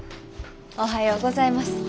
おはようございます。